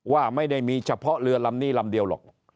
ว่าไม่ได้มีเฉพาะเรือลำนี้ลำเดียวหรอก